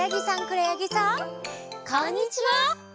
こんにちは！